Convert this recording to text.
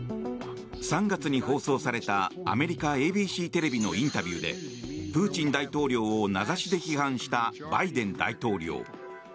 ３月に放送されたアメリカＡＢＣテレビのインタビューでプーチン大統領を名指しで批判したバイデン大統領。